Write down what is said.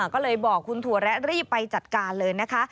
ก็เลยบอกคุณถั่วแระรีบไปจัดการเลยนะคะ